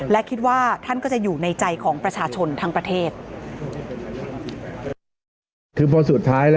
และคิดว่าท่านก็จะอยู่ในใจของประชาชนทั้งประเทศ